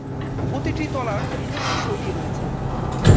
প্রতিটি তলার নিজস্ব শৈলী রয়েছে।